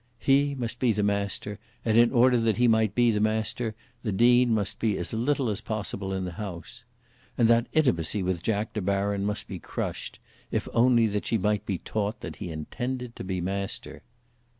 He must be the master, and in order that he might be master the Dean must be as little as possible in the house. And that intimacy with Jack De Baron must be crushed, if only that she might be taught that he intended to be master.